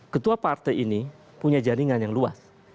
ketua partai ini punya jaringan yang luas